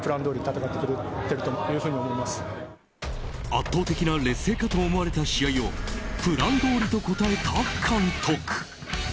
圧倒的な劣勢かと思われた試合をプランどおりと答えた監督。